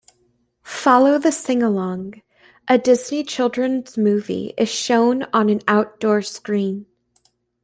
Following the sing-along, a Disney children's movie is shown on an outdoor screen.